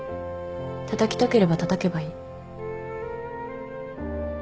たたきたければたたけばいい。